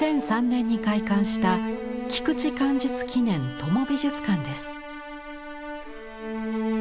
２００３年に開館した菊池寛実記念智美術館です。